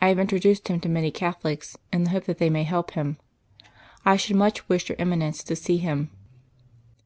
I have introduced him to many Catholics in the hope that they may help him. I should much wish your Eminence to see him."